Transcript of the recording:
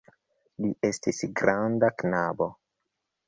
Li estas granda knabo.